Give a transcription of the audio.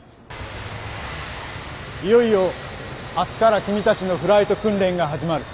いよいよ明日から君たちのフライト訓練が始まる。